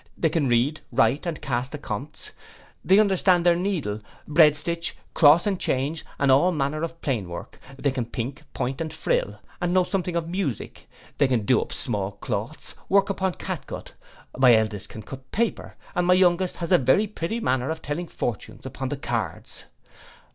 They can read, write, and cast accompts; they understand their needle, breadstitch, cross and change, and all manner of plain work; they can pink, point, and frill; and know something of music; they can do up small cloaths, work upon catgut; my eldest can cut paper, and my youngest has a very pretty manner of telling fortunes upon the cards.